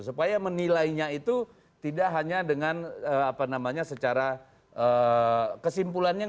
supaya menilainya itu tidak hanya dengan secara kesimpulannya